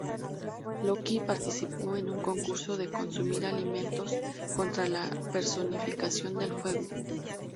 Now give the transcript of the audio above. Loki participó en un concurso de consumir alimentos contra la personificación del fuego.